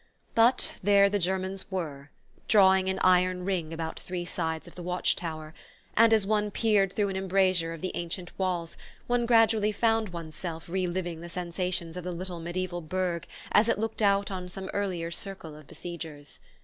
But there the Germans were, drawing an iron ring about three sides of the watch tower; and as one peered through an embrasure of the ancient walls one gradually found one's self re living the sensations of the little mediaeval burgh as it looked out on some earlier circle of besiegers.